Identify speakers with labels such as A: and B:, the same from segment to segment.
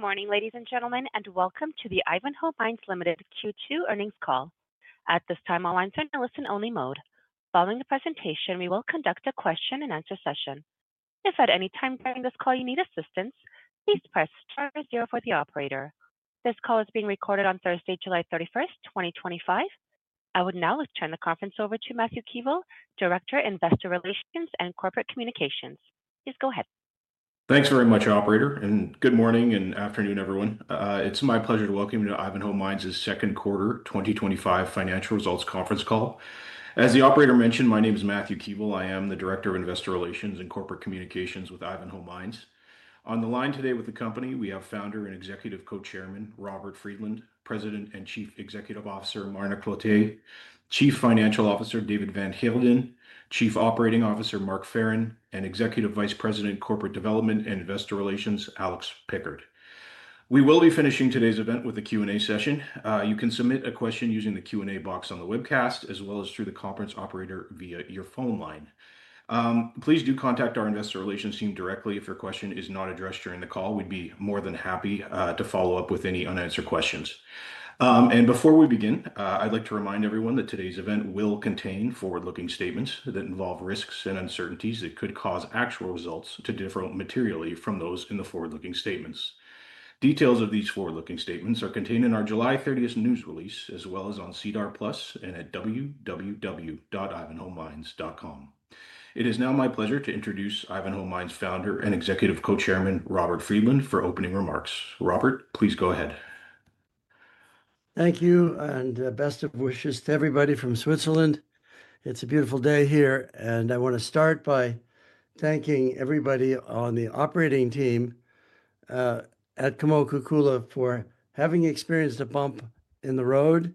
A: Good morning, ladies and gentlemen, and welcome to the Ivanhoe Mines Ltd. Q2 earnings call. At this time, all lines are in a listen-only mode. Following the presentation, we will conduct a question-and-answer session. If at any time during this call you need assistance, please press star zero for the operator. This call is being recorded on Thursday, July 31, 2025. I would now like to turn the conference over to Matthew Keevil [Director of Investor Relations and Corporate Communications] (Ivanhoe Mines). Please go ahead.
B: Thanks very much, Operator. Good morning and afternoon, everyone. It's my pleasure to welcome you to Ivanhoe Mines’ second quarter 2025 financial results conference call. As the Operator mentioned, my name is Matthew Keevil. I am the Director of Investor Relations and Corporate Communications with Ivanhoe Mines. On the line today with the company, we have Founder and Executive Co-Chairman Robert Friedland, President and Chief Executive Officer Marna Cloete, Chief Financial Officer David van Heerden, Chief Operating Officer Mark Farren, and Executive Vice President of Corporate Development and Investor Relations Alex Pickard. We will be finishing today's event with a Q&A session. You can submit a question using the Q&A box on the webcast, as well as through the conference operator via your phone line. Please contact our Investor Relations team directly if your question is not addressed during the call. We'd be more than happy to follow up with any unanswered questions. Before we begin, I'd like to remind everyone that today's event will contain forward-looking statements that involve risks and uncertainties that could cause actual results to differ materially from those in the forward-looking statements. Details of these forward-looking statements are contained in our July 30 news release, as well as on SEDAR Plus and at www.ivanhoemines.com. It is now my pleasure to introduce Ivanhoe Mines’ Founder and Executive Co-Chairman Robert Friedland for opening remarks. Robert, please go ahead.
C: Thank you, and best of wishes to everybody from Switzerland. It's a beautiful day here, and I want to start by thanking everybody on the operating team at Kamoa-Kakula for having experienced a bump in the road,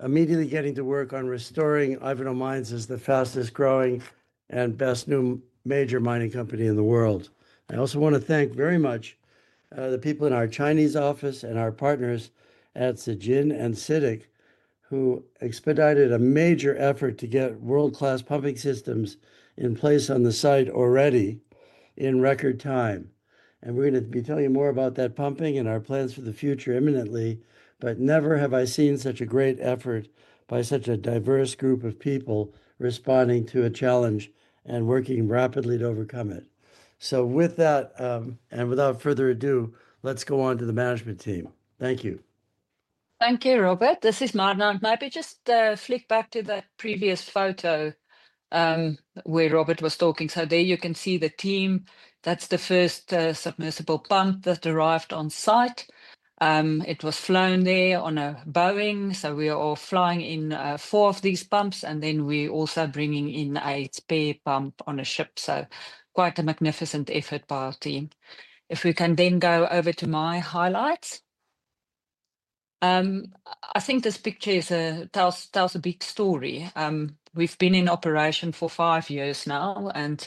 C: immediately getting to work on restoring Ivanhoe Mines as the fastest-growing and best-known major mining company in the world. I also want to thank very much the people in our Chinese office and our partners at Zijin and CITIC, who expedited a major effort to get world-class pumping systems in place on the site already in record time. We're going to be telling you more about that pumping and our plans for the future imminently, but never have I seen such a great effort by such a diverse group of people responding to a challenge and working rapidly to overcome it. With that, and without further ado, let's go on to the management team. Thank you.
D: Thank you, Robert. This is Marna. Maybe just flick back to that previous photo where Robert was talking. There you can see the team. That's the first submersible pump that arrived on site. It was flown there on a Boeing. We are all flying in four of these pumps, and we're also bringing in a spare pump on a ship. Quite a magnificent effort by our team. If we can then go over to my highlights, I think this picture tells a big story. We've been in operation for five years now, and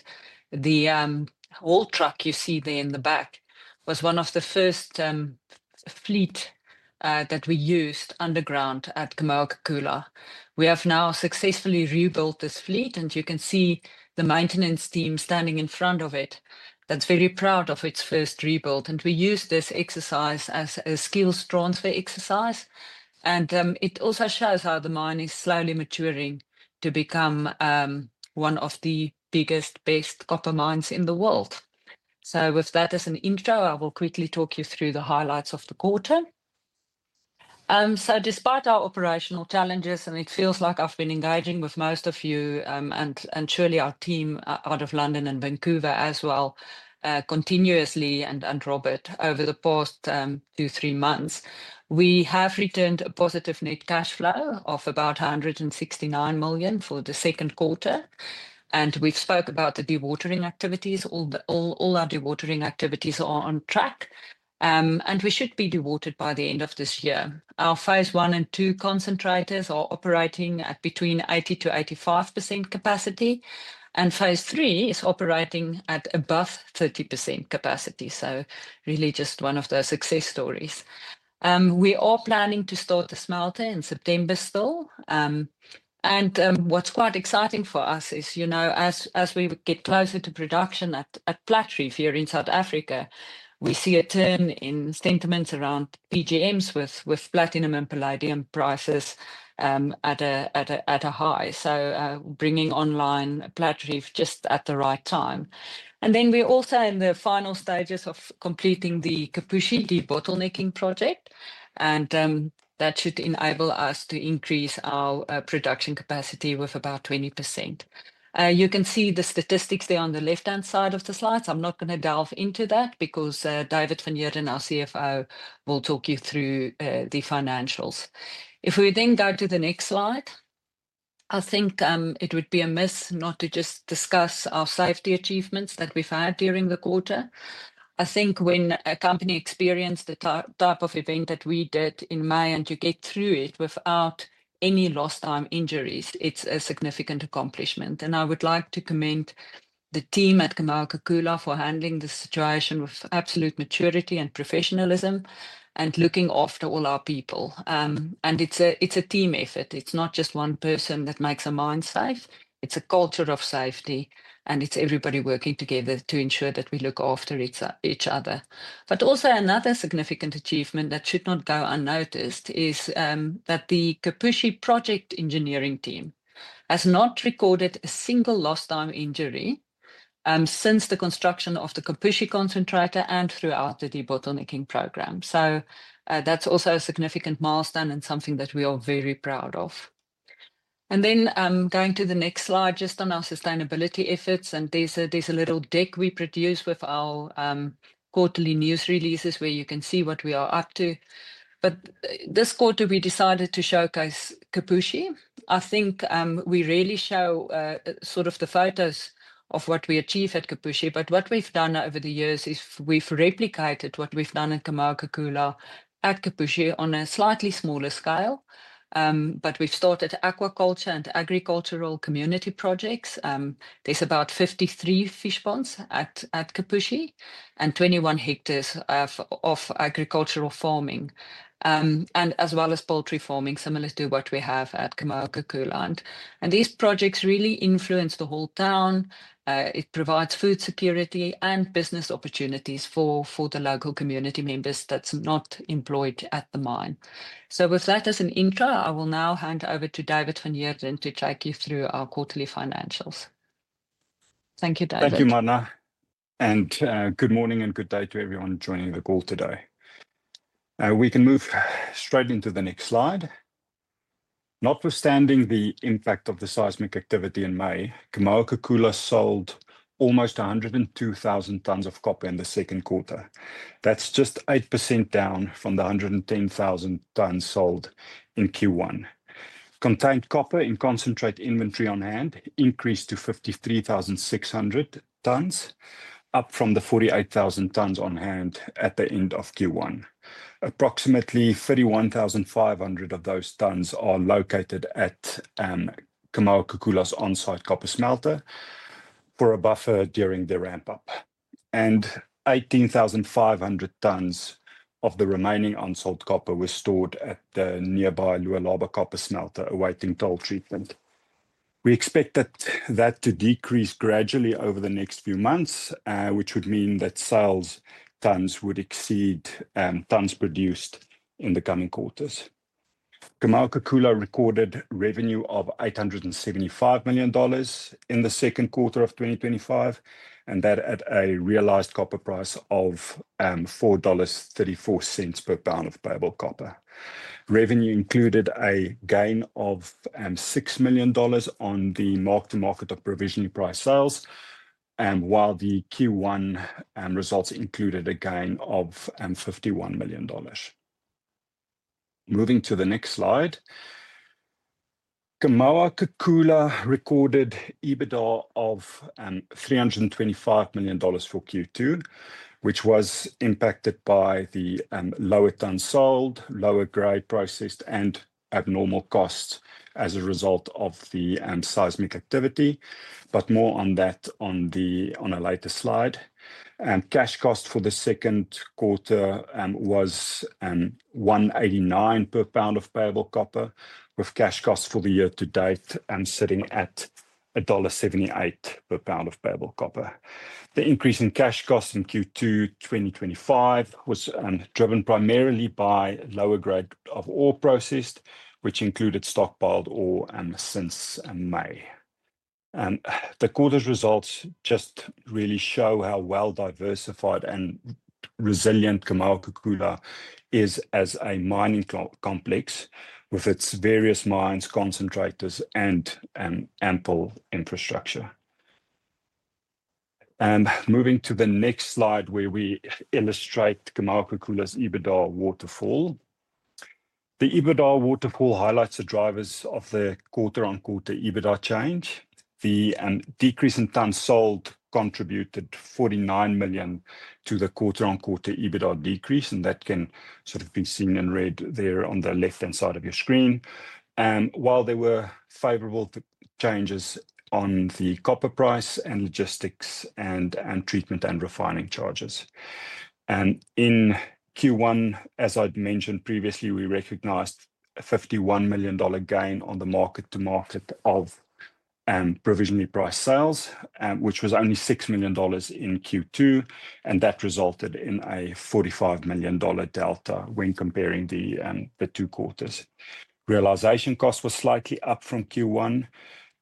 D: the haul truck you see there in the back was one of the first fleet that we used underground at Kamoa-Kakula. We have now successfully rebuilt this fleet, and you can see the maintenance team standing in front of it that's very proud of its first rebuild. We use this exercise as a skills transfer exercise, and it also shows how the mine is slowly maturing to become one of the biggest, best copper mines in the world. With that as an intro, I will quickly talk you through the highlights of the quarter. Despite our operational challenges, and it feels like I've been engaging with most of you and surely our team out of London and Vancouver as well, continuously and Robert, over the past two or three months, we have returned a positive net cash flow of about $169 million for the second quarter. We've spoken about the dewatering activities. All our dewatering activities are on track, and we should be dewatered by the end of this year. Our phase one and two concentrators are operating at between 80%-85% capacity, and phase three is operating at above 30% capacity. Really just one of the success stories. We are planning to start the smelter in September still. What's quite exciting for us is, you know, as we get closer to production at Platreef, if you're in South Africa, we see a turn in sentiment around PGMs, with platinum and palladium prices at a high, bringing online Platreef just at the right time. We're also in the final stages of completing the Kipushi de-bottlenecking project, and that should enable us to increase our production capacity by about 20%. You can see the statistics there on the left-hand side of the slides. I'm not going to delve into that because David van Heerden, our CFO, will talk you through the financials. If we then go to the next slide, I think it would be amiss not to just discuss our safety achievements that we've had during the quarter. I think when a company experiences the type of event that we did in May and gets through it without any lost-time injuries, it's a significant accomplishment. I would like to commend the team at Kamoa-Kakula for handling the situation with absolute maturity and professionalism and for looking after all our people. It's a team effort. It's not just one person that makes a mine safe. It's a culture of safety, and it's everybody working together to ensure that we look after each other. Also, another significant achievement that should not go unnoticed is that the Kipushi project engineering team has not recorded a single lost-time injury since the construction of the Kipushi concentrator and throughout the de-bottlenecking project. That's also a significant milestone and something that we are very proud of. Going to the next slide, just on our sustainability efforts, there's a little deck we produce with our quarterly news releases where you can see what we are up to. This quarter, we decided to showcase Kipushi. I think we rarely show the photos of what we achieve at Kipushi, but what we've done over the years is we've replicated what we've done at Kamoa-Kakula at Kipushi on a slightly smaller scale. We've started aquaculture and agricultural community projects. There are about 53 fish ponds at Kipushi and 21 hectares of agricultural farming, as well as poultry farming, similar to what we have at Kamoa-Kakula. These projects really influence the whole town. They provide food security and business opportunities for the local community members who are not employed at the mine. With that as an intro, I will now hand over to David van Heerden to take you through our quarterly financials. Thank you, David.
E: Thank you, Marna. Good morning and good day to everyone joining the call today. We can move straight into the next slide. Notwithstanding the impact of the seismic activity in May, Kamoa-Kakula sold almost 102,000 tons of copper in the second quarter, just 8% down from the 110,000 tons sold in Q1. Contained Copper in Concentrate inventory on hand increased to 53,600 tons, up from the 48,000 tons on hand at the end of Q1. Approximately 31,500 of those tons are located at Kamoa-Kakula's on-site copper smelter for a buffer during the ramp-up, and 18,500 tons of the remaining unsold copper were stored at the nearby Lualaba Copper Smelter, awaiting toll treatment. We expect that to decrease gradually over the next few months, which would mean that sales tons would exceed tons produced in the coming quarters. Kamoa-Kakula recorded revenue of $875 million in the second quarter of 2025 at a realized copper price of $4.34 per pound of payable copper. Revenue included a gain of $6 million on the mark-to-market of provisional price sales, while the Q1 results included a gain of $51 million. Moving to the next slide, Kamoa-Kakula recorded EBITDA of $325 million for Q2, which was impacted by the lower tons sold, lower grade processed, and abnormal costs as a result of the seismic activity. More on that on a later slide. Cash cost for the second quarter was $1.89 per pound of payable copper, with cash cost for the year to date sitting at $1.78 per pound of payable copper. The increase in cash cost in Q2 2025 was driven primarily by the lower grade of ore processed, which included stockpiled ore since May. The quarter's results really show how well-diversified and resilient Kamoa-Kakula is as a mining complex with its various mines, concentrators, and ample infrastructure. Moving to the next slide where we illustrate Kamoa-Kakula's EBITDA waterfall. The EBITDA waterfall highlights the drivers of the quarter-on-quarter EBITDA change. The decrease in tons sold contributed $49 million to the quarter-on-quarter EBITDA decrease, and that can be seen in red there on the left-hand side of your screen. There were favorable changes on the copper price and logistics and treatment and refining charges. In Q1, as I'd mentioned previously, we recognized a $51 million gain on the mark-to-market of provisional price sales, which was only $6 million in Q2, resulting in a $45 million delta when comparing the two quarters. Realization costs were slightly up from Q1,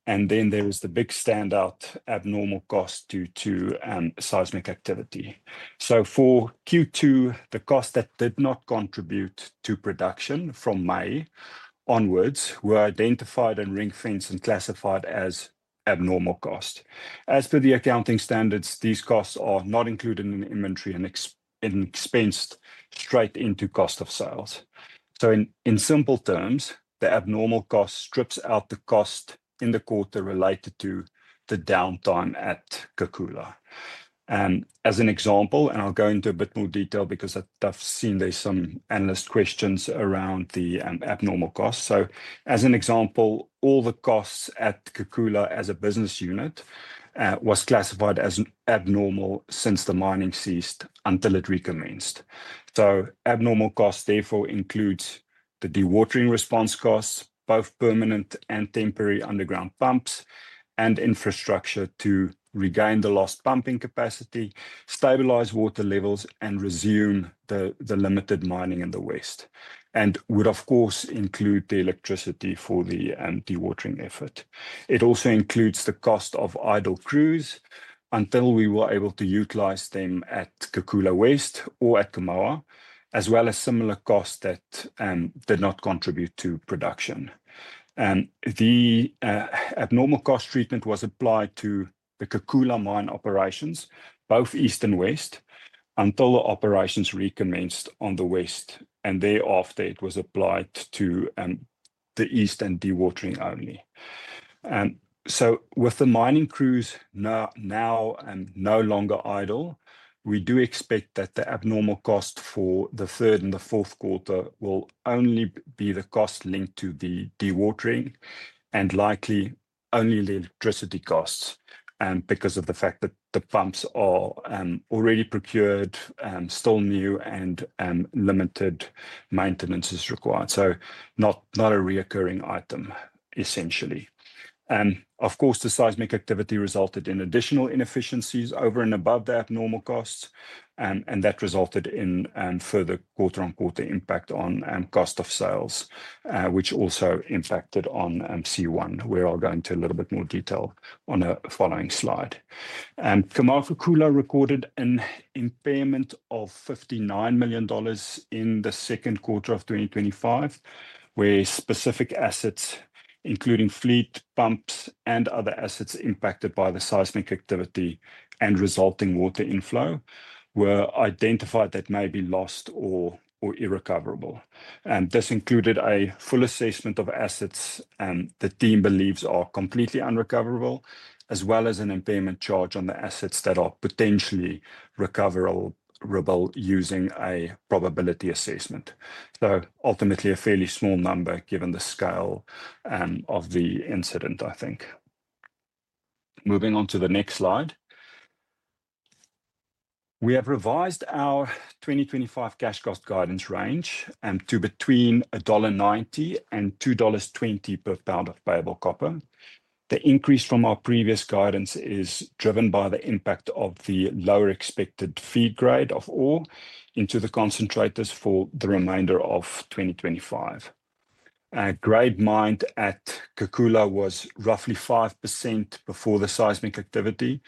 E: and then there was the big standout abnormal cost due to seismic activity. For Q2, the costs that did not contribute to production from May onwards were identified, ring-fenced, and classified as abnormal costs. As per the accounting standards, these costs are not included in inventory and are expensed straight into the cost of sales. In simple terms, the abnormal cost strips out the cost in the quarter related to the downtime at Kakula. As an example—and I'll go into a bit more detail because I've seen there are some analyst questions around the abnormal costs—all the costs at Kakula as a business unit were classified as abnormal since mining ceased until it recommenced. Abnormal costs therefore include the dewatering response costs, both permanent and temporary underground pumps, and infrastructure to regain the lost pumping capacity, stabilize water levels, and resume the limited mining in the west, and would, of course, include the electricity for the dewatering effort. It also includes the cost of idle crews until we were able to utilize them at Kakula West or at Kamoa, as well as similar costs that did not contribute to production. The abnormal cost treatment was applied to the Kakula mine operations, both east and west, until operations recommenced on the west, and thereafter it was applied to the east and dewatering only. With the mining crews now no longer idle, we expect that the abnormal cost for the third and fourth quarters will only be the costs linked to dewatering and likely only the electricity costs, because the pumps are already procured, still new, and limited maintenance is required. Not a recurring item, essentially. Of course, the seismic activity resulted in additional inefficiencies over and above the abnormal costs, and that led to a further quarter-on-quarter impact on the cost of sales, which also affected Q1, where I’ll go into a little bit more detail on a following slide. Kamoa-Kakula recorded an impairment of $59 million in the second quarter of 2025, where specific assets—including fleet pumps and other assets impacted by the seismic activity and resulting water inflow—were identified as potentially lost or irrecoverable. This included a full assessment of assets that the team believes are completely unrecoverable, as well as an impairment charge on the assets that are potentially recoverable using a probability assessment. Ultimately, a fairly small number given the scale of the incident, I think. Moving on to the next slide. We have revised our 2025 cash cost guidance range to between $1.90 and $2.20 per pound of payable copper. The increase from our previous guidance is driven by the impact of the lower expected feed grade of ore into the concentrators for the remainder of 2025. Grade mined at Kakula was roughly 5% before the seismic activity,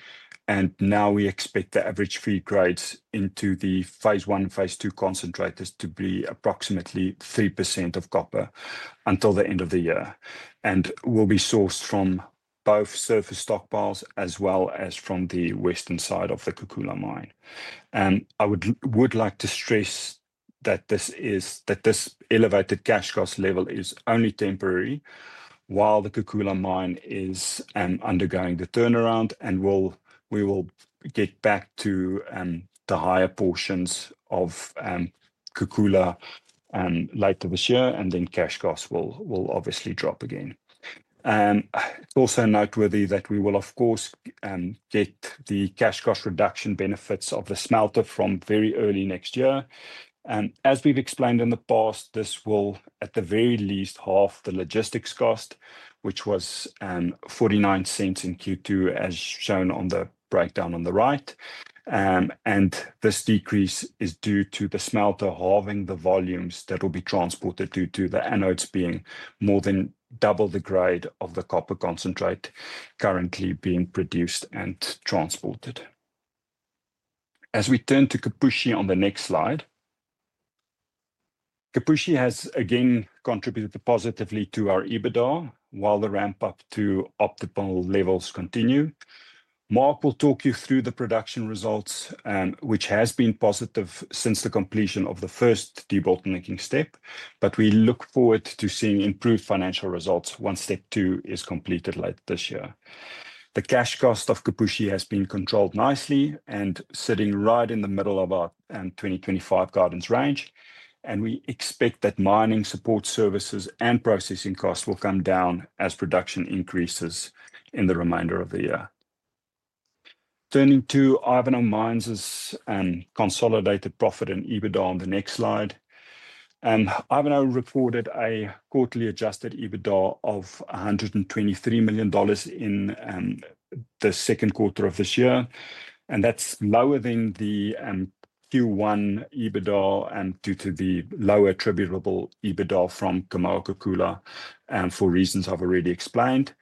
E: and we now expect the average feed grades into the phase one and phase two concentrators to be approximately 3% copper until the end of the year. It will be sourced from both surface stockpiles and from the western side of the Kakula mine. I would like to stress that this elevated cash cost level is only temporary while the Kakula mine is undergoing the turnaround, and we will get back to the higher portions of Kakula later this year. Then cash costs will obviously drop again. It is also noteworthy that we will, of course, get the cash cost reduction benefits of the smelter from very early next year. As we've explained in the past, this will at the very least halve the logistics cost, which was $0.49 in Q2, as shown on the breakdown on the right. This decrease is due to the smelter halving the volumes that will be transported, as the anodes are more than double the grade of the copper concentrate currently being produced and transported. As we turn to Kipushi on the next slide, Kipushi has again contributed positively to our EBITDA while the ramp-up to optimal levels continues. Mark will talk you through the production results, which have been positive since the completion of the first de-bottlenecking step. We look forward to seeing improved financial results once step two is completed later this year. The cash cost of Kipushi has been controlled nicely and is sitting right in the middle of our 2025 guidance range, and we expect that mining support services and processing costs will come down as production increases in the remainder of the year. Turning to Ivanhoe Mines' consolidated profit and EBITDA on the next slide, Ivanhoe recorded a quarterly adjusted EBITDA of $123 million in the second quarter of this year, and that's lower than the— Q1 EBITDA was higher due to the lower attributable EBITDA from Kamoa-Kakula for the reasons I've already explained.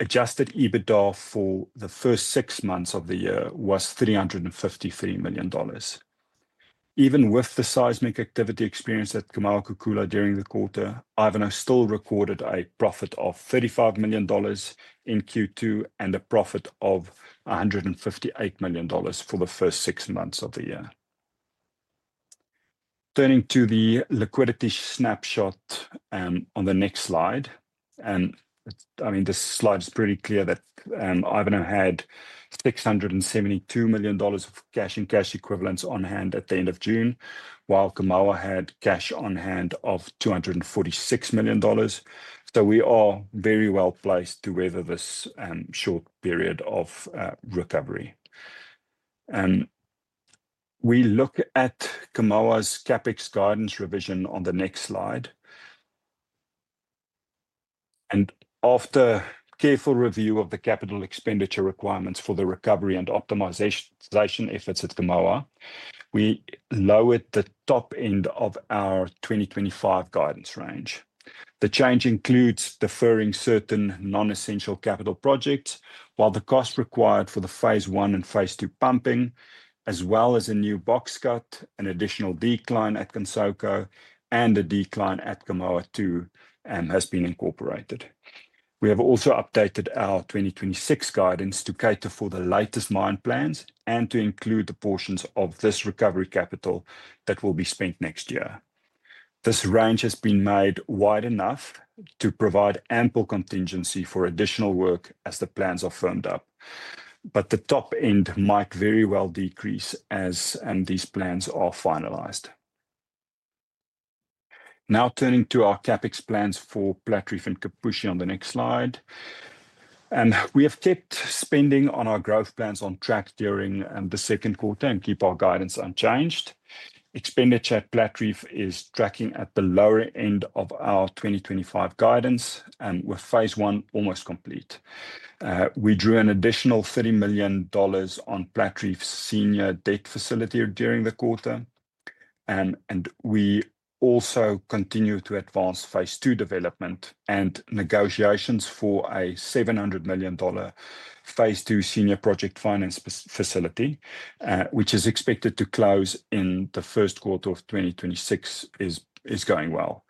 E: Adjusted EBITDA for the first six months of the year was $353 million. Even with the seismic activity experienced at Kamoa-Kakula during the quarter, Ivanhoe Mines still recorded a profit of $35 million in Q2 and a profit of $158 million for the first six months of the year. Turning to the liquidity snapshot on the next slide, this slide shows that Ivanhoe Mines had $672 million of cash and cash equivalents on hand at the end of June, while Kamoa had cash on hand of $246 million. We are very well placed to weather this short period of recovery. We’ll look at Kamoa's CapEx guidance revision on the next slide. After careful review of the capital expenditure requirements for the recovery and optimization efforts at Kamoa, we lowered the top end of our 2025 guidance range. The change includes deferring certain non-essential capital projects, while the costs required for the phase one and phase two pumping, as well as a new box cut, an additional decline at Kansoko, and a decline at Kamoa 2, have been incorporated. We have also updated our 2026 guidance to account for the latest mine plans and to include the portions of this recovery capital that will be spent next year. This range has been made wide enough to provide ample contingency for additional work as the plans are firmed up, but the top end might very well decrease as these plans are finalized. Now, turning to our CapEx plans for Platreef and Kipushi on the next slide. We have kept spending on our growth plans on track during the second quarter and kept our guidance unchanged. Expenditure at Platreef is tracking at the lower end of our 2025 guidance, and with phase one almost complete, we drew an additional $30 million on Platreef's senior debt facility during the quarter. We also continue to advance phase two development and negotiations for a $700 million phase two senior project finance facility, which is expected to close in the first quarter of 2026 and is progressing well.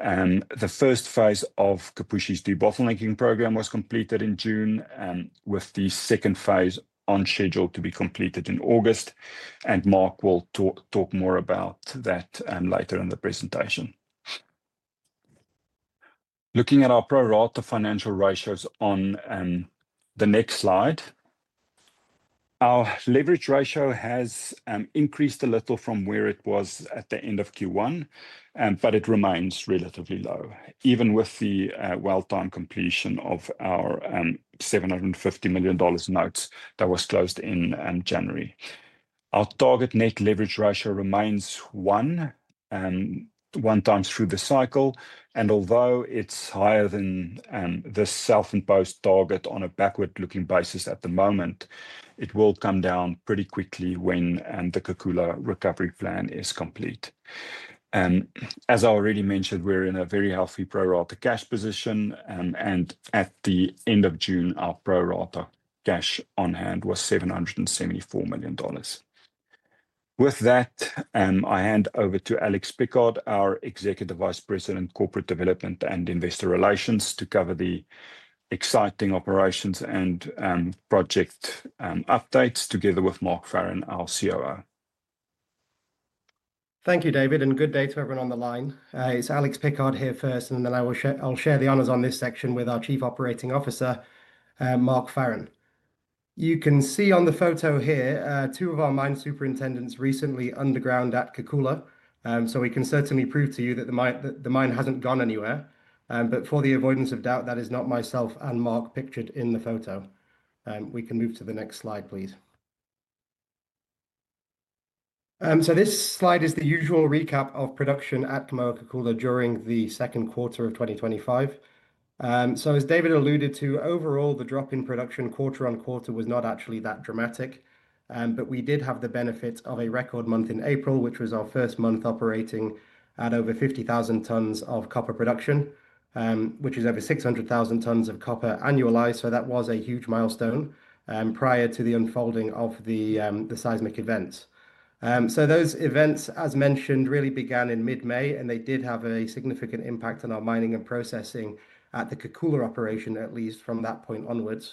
E: The first phase of Kipushi's de-bottlenecking program was completed in June, with the second phase on schedule to be completed in August, and Mark will talk more about that later in the presentation. Looking at our pro rata financial ratios on the next slide, our leverage ratio has increased slightly from where it was at the end of Q1, but it remains relatively low, even with the well-timed completion of our $750 million notes that were closed in January. Our target net leverage ratio remains one times through the cycle, and although it’s higher than the self-imposed target on a backward-looking basis at the moment, it will come down quickly once the Kakula recovery plan is complete. As I already mentioned, we’re in a very healthy pro rata cash position, and at the end of June, our pro rata cash on hand was $774 million. With that, I’ll hand over to Alex Pickard [Executive Vice President, Corporate Development and Investor Relations] (Ivanhoe Mines) to cover the exciting operations and project updates together with Mark Farren [Chief Operating Officer] (Ivanhoe Mines).
F: Thank you, David, and good day to everyone on the line. It's Alex Pickard here first, and then I'll share the honors on this section with our Chief Operating Officer, Mark Farren. You can see in the photo here two of our mine superintendents recently underground at Kakula, so we can certainly prove to you that the mine hasn’t gone anywhere. For the avoidance of doubt, that is not myself and Mark pictured in the photo. We can move to the next slide, please. This slide is the usual recap of production at Kamoa-Kakula during the second quarter of 2025. As David alluded to, overall, the drop in production quarter on quarter was not actually that dramatic, but we did have the benefit of a record month in April, which was our first month operating at over 50,000 tons of copper production, equivalent to more than 600,000 tons of copper annualized. That was a huge milestone prior to the unfolding of the seismic events. Those events, as mentioned, really began in mid-May, and they did have a significant impact on our mining and processing at the Kakula operation from that point onward.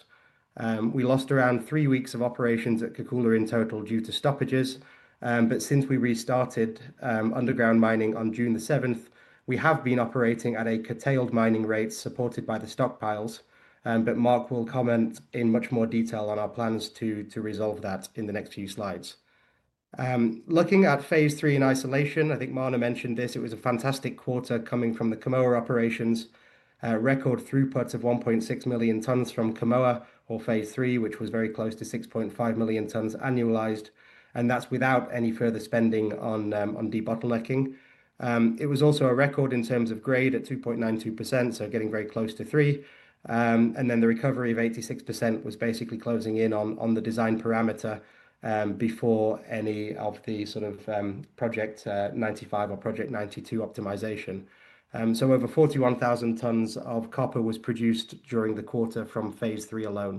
F: We lost around three weeks of operations at Kakula in total due to stoppages. Since we restarted underground mining on June 7, we have been operating at a curtailed mining rate supported by the stockpiles. Mark will comment in much more detail on our plans to resolve that in the next few slides. Looking at phase three in isolation, as Marna mentioned, it was a fantastic quarter coming from the Kamoa operations, with record throughputs of 1.6 million tons from Kamoa for phase three, which was very close to 6.5 million tons annualized, and that’s without any further spending on de-bottlenecking. It was also a record in terms of grade at 2.92%, getting very close to 3%. The recovery of 86% was basically closing in on the design parameter before any of the Project 95 or Project 92 optimization. Over 41,000 tons of copper was produced during the quarter from phase three alone.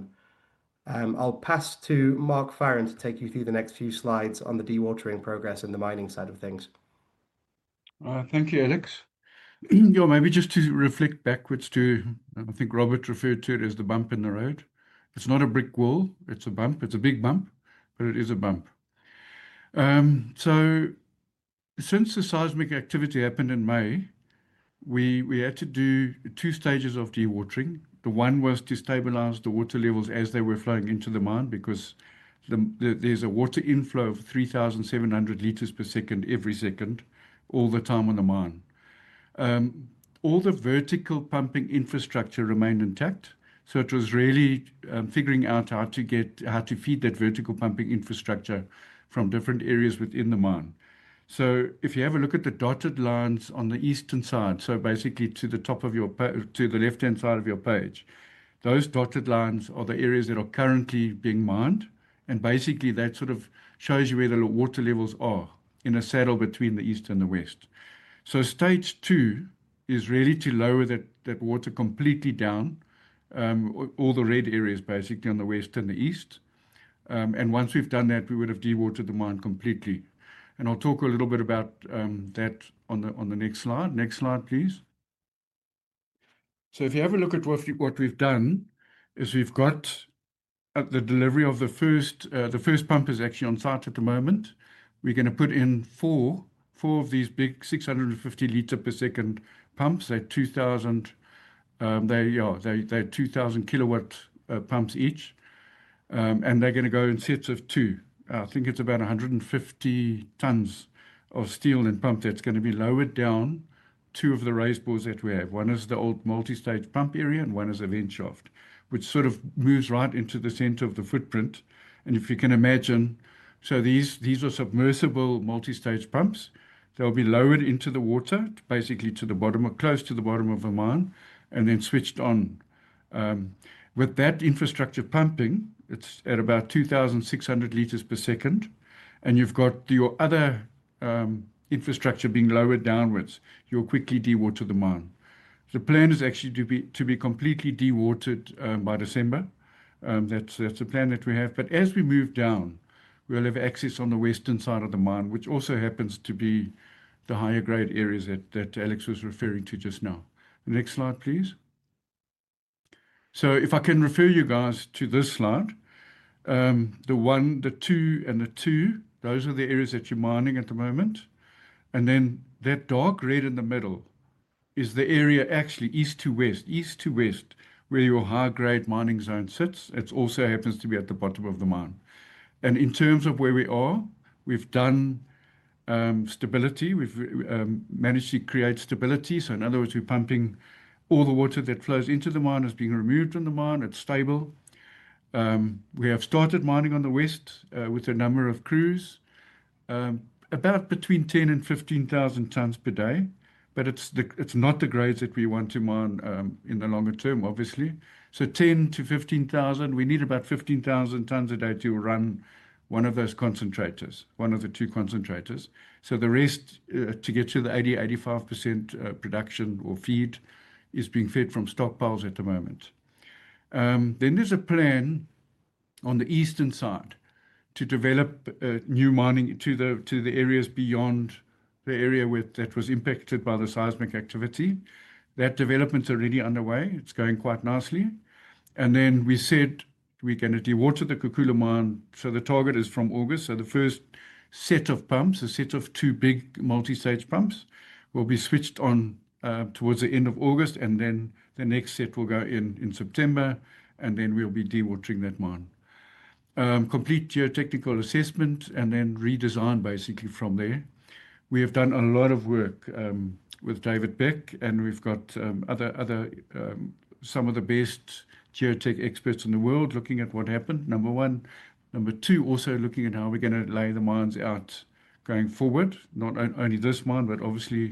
F: I’ll now hand it over to Mark Farren [Chief Operating Officer] (Ivanhoe Mines) to take you through the next few slides on the dewatering progress and the mining side of things.
G: Thank you, Alex. Maybe just to reflect backward too, I think Robert referred to it as a bump in the road. It’s not a brick wall. It’s a bump. It’s a big bump, but it’s a bump. Since the seismic activity happened in May, we had to do two stages of dewatering. The first was to stabilize the water levels as they were flowing into the mine, because there’s a water inflow of 3,700 liters per second all the time in the mine. All the vertical pumping infrastructure remained intact, so it was really a matter of figuring out how to feed that vertical pumping infrastructure from different areas within the mine. If you have a look at the dotted lines on the eastern side—basically to the top left-hand side of your page—those dotted lines are the areas that are currently being mined. That shows you where the water levels are in a saddle between the east and the west. Stage two is really to lower that water completely down—all the red areas basically on the west and the east. Once we’ve done that, we will have dewatered the mine completely. I’ll talk a little bit about that on the next slide. Next slide, please. If you have a look at what we’ve done, we’ve got the delivery of the first pump actually on site at the moment. We’re going to install four of these large 650-liter-per-second pumps. They’re 2,000-kilowatt pumps each, and they’ll be installed in sets of two. It’s about 150 tons of steel and pump that will be lowered down two of the raised bores that we have—one is the old multi-stage pump area and the other is a vent shaft that moves right into the center of the footprint. If you can imagine, these are submersible multi-stage pumps that will be lowered into the water, basically close to the bottom of the mine, and then switched on. that infrastructure pumping at about 2,600 liters per second, and with the other infrastructure being lowered downward, we’ll quickly dewater the mine. The plan is to be completely dewatered by December. As we move down, we’ll gain access to the western side of the mine, which also happens to be the higher-grade areas that Alex was referring to just now. Next slide, please. If I can refer you to this slide, the one, the two, and the two—those are the areas we’re mining at the moment. That dark red in the middle is the area running east to west, where the high-grade mining zone sits. It also happens to be at the bottom of the mine. In terms of where we are, we’ve managed to establish stability. In other words, all the water that flows into the mine is being pumped out—it’s stable. We have started mining on the west with several crews, producing between 10,000 and 15,000 tons per day, though it’s not yet the grades we want to mine in the longer term. At 10,000 to 15,000 tons per day, we need about 15,000 tons a day to run one of the two concentrators. The rest, to reach 80%-85% production or feed, is currently being supplemented from stockpiles. There’s also a plan on the eastern side to develop new mining areas beyond the zone that was impacted by the seismic activity. That development is already underway and progressing well. As mentioned, our target is to have the Kakula mine fully dewatered from August onward.
E: The first set of pumps—a set of two large multi-stage pumps—will be switched on toward the end of August, and the next set will be installed in September, after which we’ll be fully dewatering the mine. A complete geotechnical assessment and redesign will follow from there. We’ve done extensive work with David Beck and have engaged some of the best geotechnical experts in the world to analyze what happened and, secondly, to determine how we’ll lay out the mines going forward—not only this mine, but also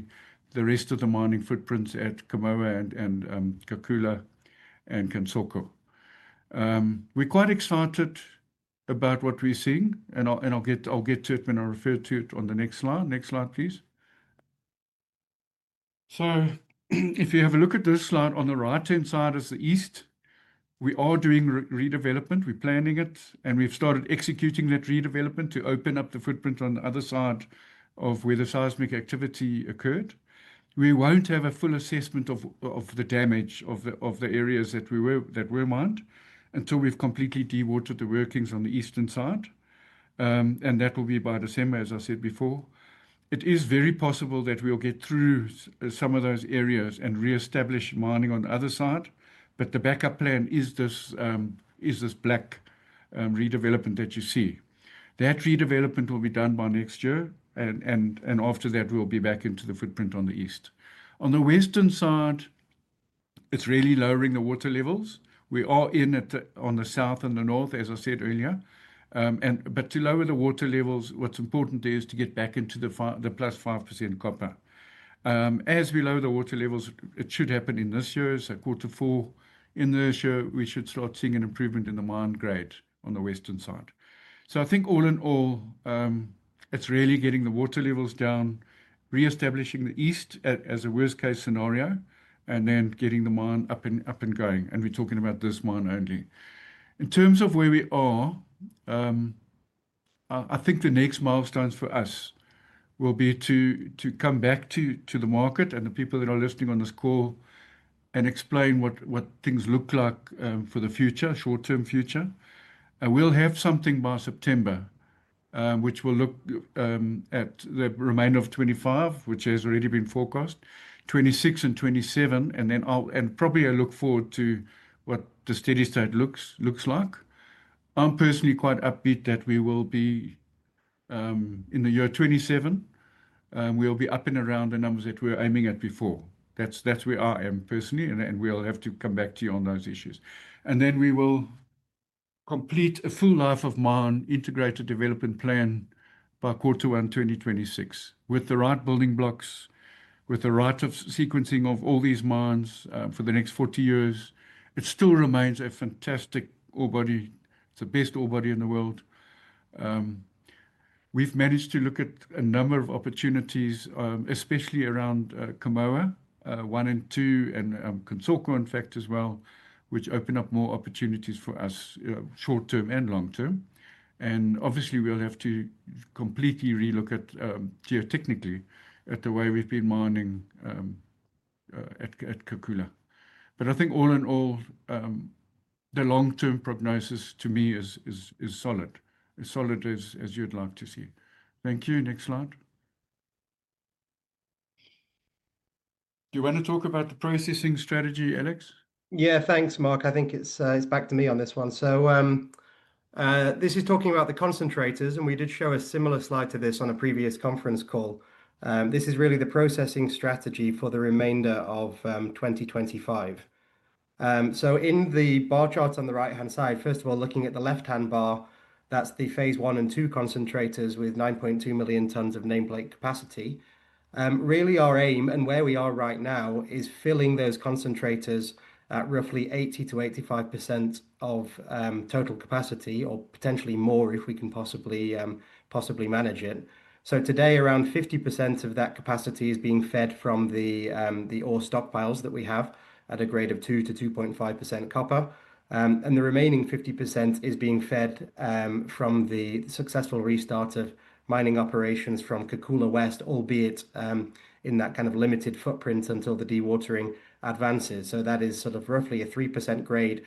E: the broader mining footprints at Kamoa, Kakula, and Kansoko. We’re quite excited about what we’re seeing, and I’ll touch on that when I refer to the next slide. Next slide, please. If you look at this slide, on the right-hand side is the east, where we are carrying out redevelopment. We're planning and have already started executing the redevelopment to open up the footprint on the other side of where the seismic activity occurred. We won't have a full assessment of the damage in the mined areas until we’ve completely dewatered the workings on the eastern side, which will be by December, as I mentioned earlier. It’s very possible that we’ll get through some of those areas and reestablish mining on the other side. The backup plan is the black redevelopment area you see on the slide. That redevelopment will be completed by next year, after which we’ll be back into the footprint on the east. On the western side, it’s mainly about lowering the water levels. We are active in both the south and north, as I said earlier, and the focus is on getting back into the plus-5% copper zones. As we lower the water levels—which should happen this year—in the fourth quarter we should start seeing an improvement in the mine grade on the western side. All in all, it’s really about getting the water levels down, reestablishing the east as a worst-case scenario, and getting the mine fully operational again. We’re talking about this mine only. In terms of where we are, the next milestones for us will be to come back to the market and everyone listening on this call to explain what things look like for the short-term future. By September, we’ll have an update that outlines the remainder of 2025, which has already been forecast, as well as 2026 and 2027, and likely a view of what the steady state will look like. I’m personally quite upbeat that we’ll be there by 2027. We’ll be up around the numbers that we were aiming for before. That’s where I am personally, and we’ll have to come back to you on those issues. We will complete a full life-of-mine integrated development plan by the first quarter of 2026, with the right building blocks and the right sequencing of all these mines for the next 40 years. It still remains a fantastic orebody—the best orebody in the world. We’ve identified a number of opportunities, especially around Kamoa 1 and 2, and Kansoko as well, which open up more opportunities for us both short term and long term. Obviously, we’ll have to completely reexamine geotechnically the way we’ve been mining at Kakula. All in all, the long-term prognosis to me is solid—solid as you’d like to see. Thank you. Next slide.
G: Do you want to talk about the processing strategy, Alex?
F: Yeah, thanks, Mark. I think it’s back to me on this one. This slide focuses on the concentrators, and we showed a similar one on a previous conference call. It outlines the processing strategy for the remainder of 2025. Looking at the bar charts on the right-hand side—first, the left-hand bar represents the phase one and two concentrators with a nameplate capacity of 9.2 million tons. Our goal, and where we are right now, is to keep those concentrators running at roughly 80%-85% of total capacity, or potentially higher if possible. Currently, about 50% of that capacity is being fed from the ore stockpiles we have, at grades of 2%-2.5% copper. The remaining 50% is being fed from the successful restart of mining operations at Kakula West, albeit within a limited footprint until the dewatering advances. That’s roughly at a 3% grade,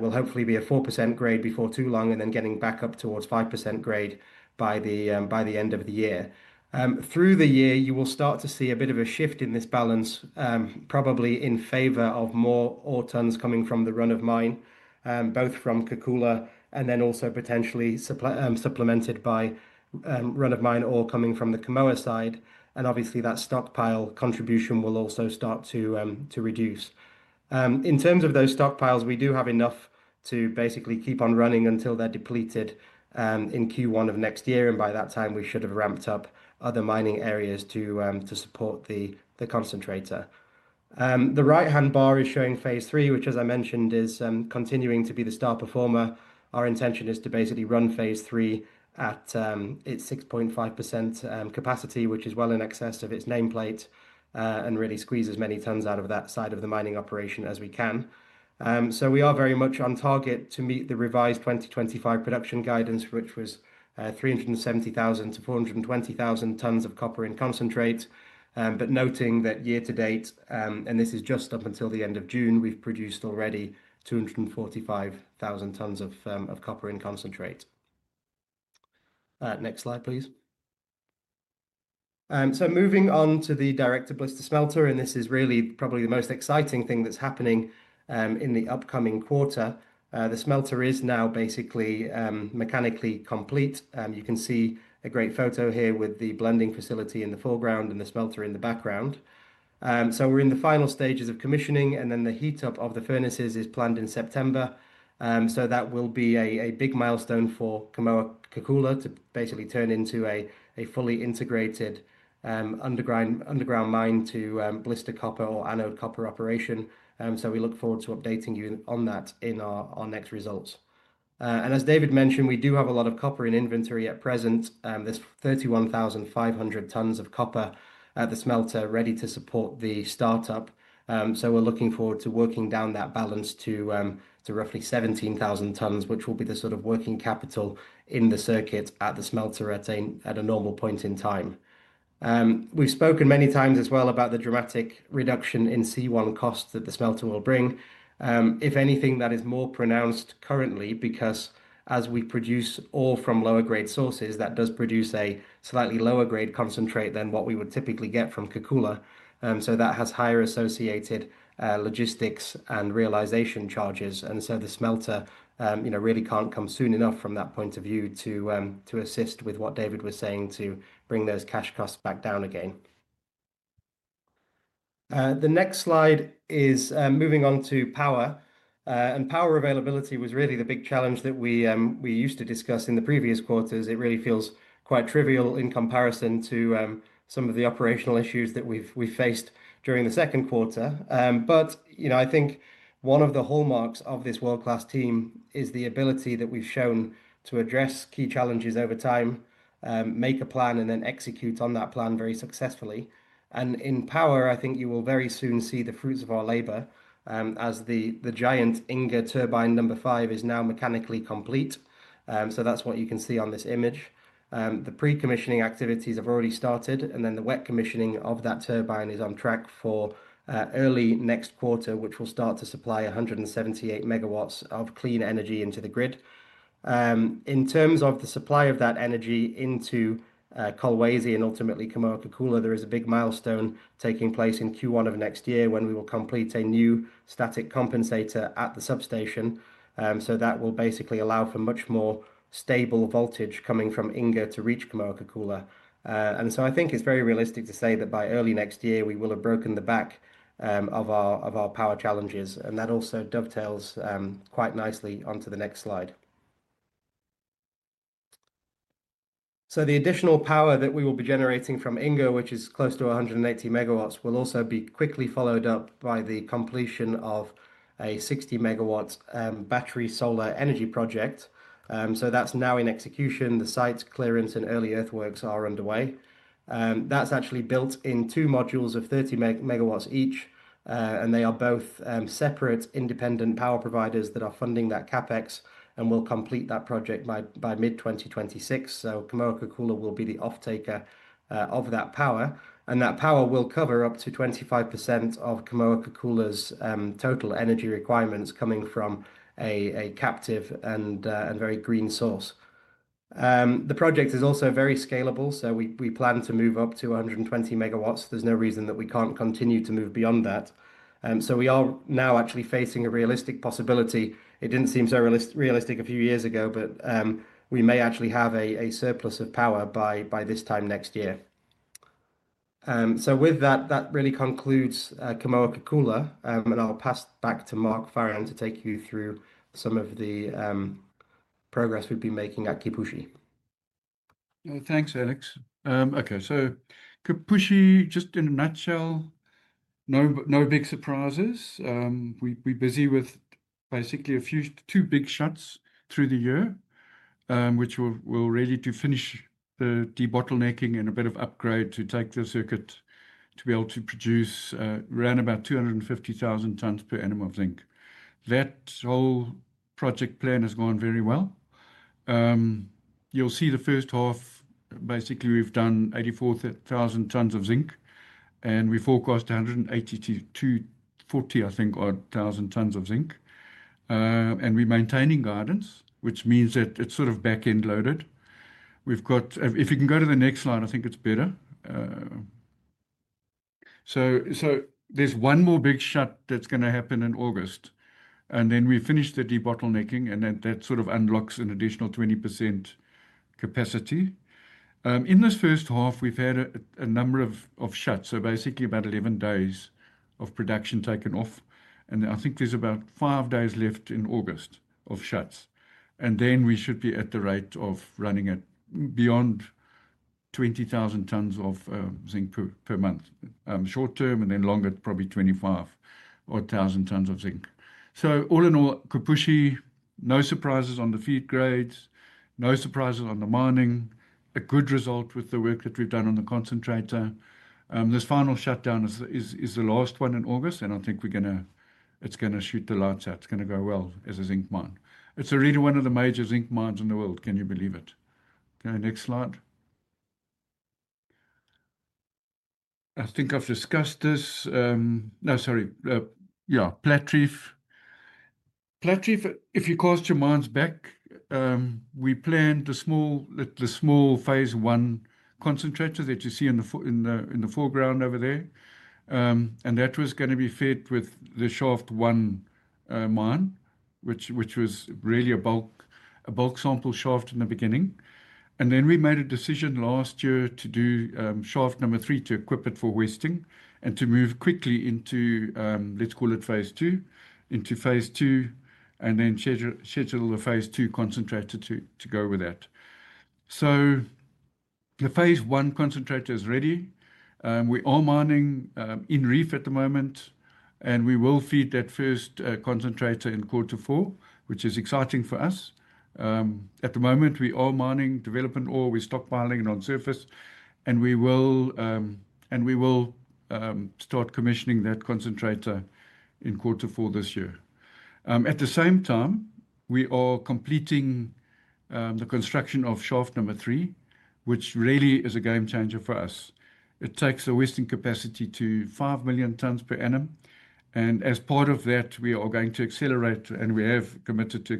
F: which we expect to increase to around 4% soon and then back up toward 5% by the end of the year. Through the year, you’ll start to see a gradual shift in this balance, likely in favor of more ore tons coming from the run-of-mine, both from Kakula and potentially supplemented by run-of-mine ore from the Kamoa side. Naturally, the stockpile contribution will begin to reduce. In terms of those stockpiles, we have enough material to keep running until they’re depleted in the first quarter of next year. By that time, we expect to have ramped up other mining areas to support the concentrator. The right-hand bar shows phase three, which, as I mentioned, continues to be the star performer. Our intention is to run phase three at its 6.5 million-ton capacity, which is well above its nameplate, and really squeeze as many tons as possible out of that side of the mining operation. We are very much on track to meet the revised 2025 production guidance of 370,000 to 420,000 tons of Copper in Concentrate. Notably, year to date—up until the end of June—we’ve already produced 245,000 tons of Copper in Concentrate. Next slide, please. Moving on to the Direct-to-Blister Smelter, this is probably the most exciting development happening in the upcoming quarter. The smelter is now essentially mechanically complete. You can see a great photo here with the blending facility in the foreground and the smelter in the background. We’re in the final stages of commissioning, and the heat-up of the furnaces is planned for September. That will be a major milestone for Kamoa-Kakula as it transitions into a fully integrated underground mine-to-blister copper, or anode copper, operation. We look forward to updating you on that in our next results. As David mentioned, we currently have about 31,500 tons of copper in inventory at the smelter, ready to support the startup. We’re looking forward to working down that balance to roughly 17,000 tons, which will be the normal working capital in the smelter circuit at any given time. We’ve also spoken many times about the dramatic reduction in C1 Cash Costs that the smelter will bring. If anything, that benefit is even more pronounced now because, as we produce ore from lower-grade sources, it results in a slightly lower-grade concentrate than what we typically get from Kakula, which carries higher associated logistics and realization charges. The smelter really cannot come soon enough from that perspective to help bring those cash costs back down again, as David mentioned earlier. The next slide focuses on power, which was the major challenge we used to discuss in previous quarters.
H: It really feels quite trivial in comparison to some of the operational issues we faced during the second quarter. I think one of the hallmarks of this world-class team is our ability to address key challenges over time, make a plan, and then execute that plan very successfully. In terms of power, I think you’ll soon see the results of our efforts, as the giant Inga turbine number five is now mechanically complete. That’s what you can see in this image. Pre-commissioning activities have already begun, and the wet commissioning of that turbine is on track for early next quarter, which will start supplying 178 megawatts of clean energy into the grid. In terms of supplying that energy into Kolwezi and ultimately to Kamoa-Kakula, a major milestone will take place in the first quarter of next year with the completion of a new static compensator at the substation. That will allow for a much more stable voltage from Inga to reach Kamoa-Kakula. I think it’s very realistic to say that by early next year, we will have effectively resolved our power challenges. This also ties in nicely with the next slide—the additional power generated from Inga, close to 180 megawatts, will soon be complemented by the completion of a 60-megawatt battery solar energy project, which is now in execution. Site clearance and early earthworks are underway, and the project is being built in two modules of 30 megawatts each. They are both separate independent power providers funding that CapEx and will complete the project by mid-2026. Kamoa-Kakula will be the offtaker of that power. This supply will cover up to 25% of Kamoa-Kakula’s total energy requirements, coming from a captive and very green source. The project is also highly scalable—we plan to expand it to 120 megawatts, and there’s no reason we can’t go beyond that. We’re now actually facing a realistic possibility, which didn’t seem so feasible a few years ago, that by this time next year we may have a surplus of power. With that, this concludes the Kamoa-Kakula update, and I’ll hand it back to Mark Farren [Chief Operating Officer] (Ivanhoe Mines) to take you through the progress we’ve been making at Kipushi.
G: Thanks, Alex. Okay, Kipushi in a nutshell—no big surprises. We’re busy with basically two major blasts through the year, which will complete the de-bottlenecking and a small upgrade to enable the circuit to produce around 250,000 tons per annum of zinc. The overall project plan has progressed very well. In the first half, we produced about 84,000 tons of zinc, and we’re forecasting roughly 182,000 tons for the full year. We’re maintaining guidance, which means the production is somewhat back-end loaded. If we go to the next slide, it’s clearer there. There’s one more major blast scheduled for August, which will complete the de-bottlenecking and unlock an additional 20% capacity. In the first half, we had several blasts—about 11 days of production downtime—and there are around five more days planned in August. We should soon be running at a rate of over 20,000 tons of zinc per month in the short term, and likely around 25,000 tons per month over the longer term. All in all, Kipushi has shown no surprises in feed grades or mining performance—a solid result with the work we’ve done on the concentrator. The final shutdown in August will be the last one, and I think it’s going to go exceptionally well. It’s truly becoming one of the major zinc mines in the world—hard to believe, but it’s a fact. Next slide. I think I’ve covered most of this. Oh, sorry—yes, Platreef. Platreef, if you cast your minds back, we planned the small phase one concentrator that you can see in the foreground there. That was to be fed by the Shaft 1 mine, which originally began as a bulk sample shaft. We made a decision last year to proceed with Shaft 3, to equip it for hoisting and move quickly into phase two, scheduling the phase two concentrator to align with that. The phase one concentrator is ready. We’re currently mining in reef, and we’ll feed that first concentrator in the fourth quarter, which is very exciting for us. At present, we’re mining development ore and stockpiling it on surface, and we’ll begin commissioning the concentrator in Q4 this year. At the same time, we’re completing the construction of Shaft 3, which is truly a game changer for us. It increases hoisting capacity to 5 million tons per annum. As part of that, we are accelerating—and have committed to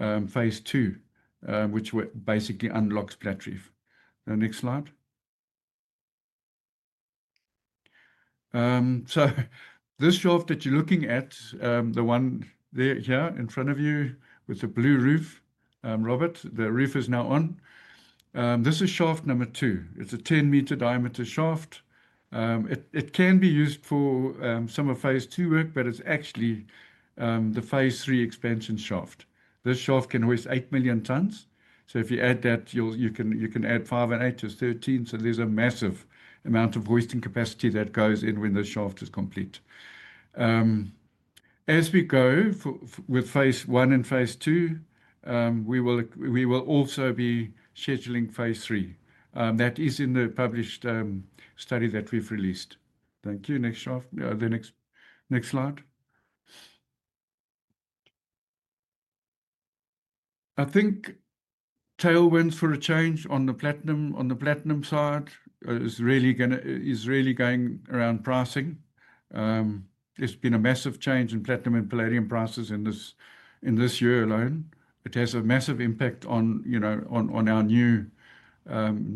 G: accelerate—phase two, which essentially unlocks Platreef. Next slide. The shaft you’re looking at here, the one in front of you with the blue roof—Robert, the roof is now on—is Shaft 2. It’s a 10-meter diameter shaft. It can be used for some of the phase two work, but it’s actually the expansion shaft for phase three. This shaft can hoist 8 million tons. So if you add that to the 5 million tons from Shaft 3, that’s 13 million tons of total hoisting capacity once complete. As we advance with phase one and phase two, we’ll also be scheduling phase three, which is outlined in the published study we released. Thank you. Next slide. I think, for a change, we’re seeing some real tailwinds on the platinum side, especially with the significant improvement in platinum and palladium prices just this year alone. It has a massive impact on our new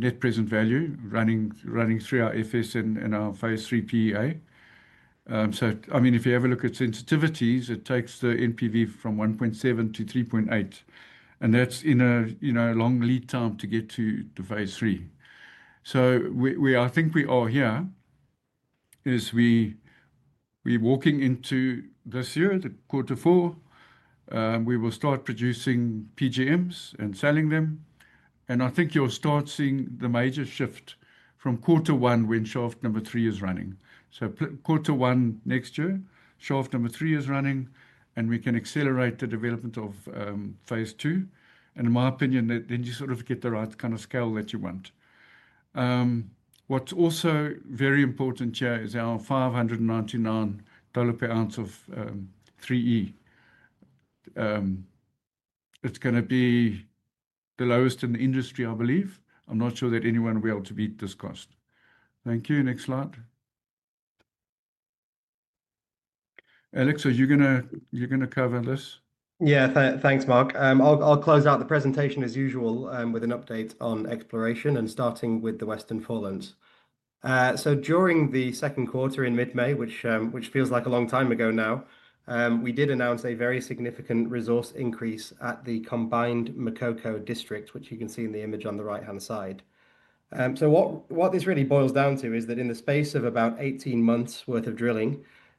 G: net present value running through our feasibility study and our phase three PEA. If you look at the sensitivities, it takes the NPV from $1.7 billion to $3.8 billion. That’s on a long lead time to reach phase three. As we move into the fourth quarter of this year, we’ll begin producing and selling PGMs. You’ll start to see a major shift from the first quarter of next year when Shaft 3 is operational and we can accelerate the development of phase two. In my opinion, that’s when we achieve the right scale we’re aiming for. Also very important here is our $599 per ounce of 3E—it’s going to be the lowest in the industry, in my view. I'm not sure that anyone will be able to beat this cost. Thank you. Next slide. Alex, are you going to cover this?
F: Yeah, thanks, Mark. I’ll close out the presentation as usual with an update on exploration, starting with the Western Forelands. During the second quarter, in mid-May—which feels like a long time ago now—we announced a very significant resource increase at the combined Makoko District, which you can see in the image on the right-hand side. What this really means is that, in just about 18 months of drilling,